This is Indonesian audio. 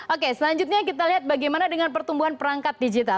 oke selanjutnya kita lihat bagaimana dengan pertumbuhan perangkat digital